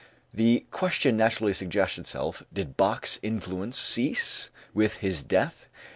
The question naturally suggests itself, did Bach's influence cease with his death?